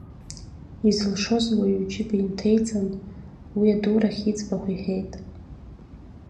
Изылшоз ауаҩы иџьыба инҭеиҵан, уи адурахь иӡбахә иҳәеит.